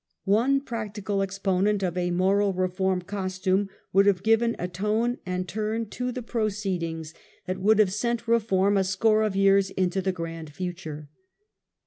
One practical exponent of a moral reform costume, would have given a tone and turn to the proceedings 126 UNMASKED. that would have sent reform a score of years mtcf the grand future.